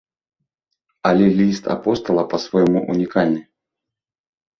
Але ліст апостала па-свойму ўнікальны.